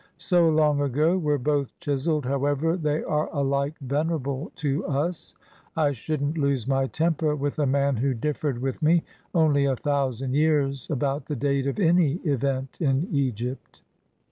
So long ago were both chiseled, however, they are alike venerable to us. I should n't lose my temper with a man who differed with me only a thousand years about the date of any event in Eg}^t.